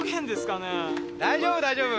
大丈夫大丈夫。